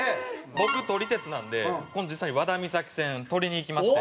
僕撮り鉄なんで実際に和田岬線撮りに行きまして。